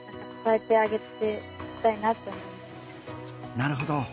なるほど。